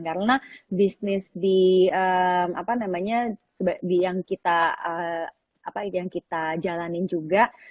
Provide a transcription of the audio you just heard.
karena bisnis yang kita jalanin juga